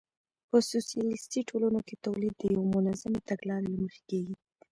په سوسیالیستي ټولنو کې تولید د یوې منظمې تګلارې له مخې کېږي